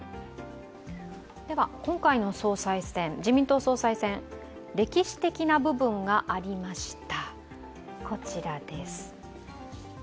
では今回の自民党総裁選、歴史的な部分がありました。